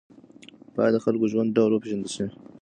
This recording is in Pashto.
باید د خلکو د ژوند ډول وپېژندل سي.